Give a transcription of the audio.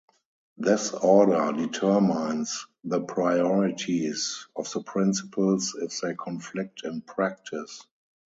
This order determines the priorities of the principles if they conflict in practice.